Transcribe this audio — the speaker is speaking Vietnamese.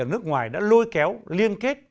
ở nước ngoài đã lôi kéo liên kết